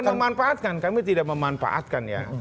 memanfaatkan kami tidak memanfaatkan ya